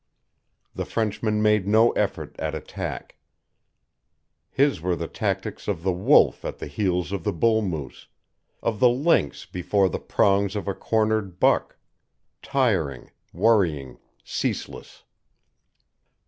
The Frenchman made no effort at attack; his were the tactics of the wolf at the heels of the bull moose, of the lynx before the prongs of a cornered buck tiring, worrying, ceaseless.